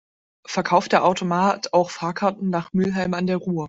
Verkauft der Automat auch Fahrkarten nach Mülheim an der Ruhr?